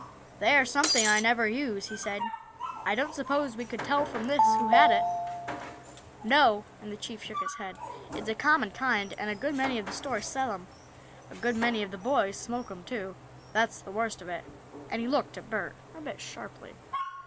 "They are something I never use," he said. "I don't suppose we could tell, from this, who had it?" "No," and the chief shook his head. "It's a common kind, and a good many of the stores sell 'em. A good many of the boys smoke 'em, too that's the worst of it," and he looked at Bert a bit sharply.